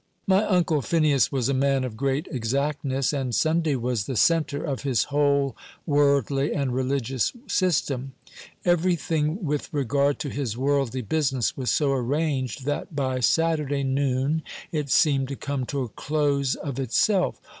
My Uncle Phineas was a man of great exactness, and Sunday was the centre of his whole worldly and religious system. Every thing with regard to his worldly business was so arranged that by Saturday noon it seemed to come to a close of itself.